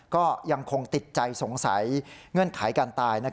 ก็ยังคงติดใจสงสัยเงื่อนไขการตาย